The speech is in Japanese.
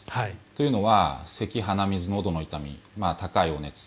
というのはせき、鼻水、のどの痛み高いお熱。